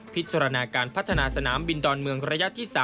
พิจารณาการพัฒนาสนามบินดอนเมืองระยะที่๓